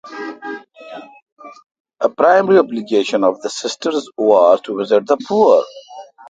A primary obligation of the sisters was to visit the poor.